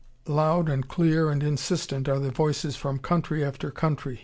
Loud and clear and insistent are the voices from country after country.